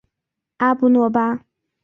阿布诺巴。